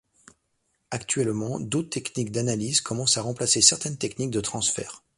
Actuellement, d'autres techniques d'analyse commencent à remplacer certaines techniques de transfert.